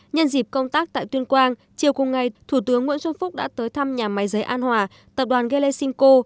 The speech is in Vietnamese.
nhân dịp công tác tại tuyên quang chiều cùng ngày thủ tướng nguyễn xuân phúc đã tới thăm nhà máy giấy an hòa tập đoàn gelesimco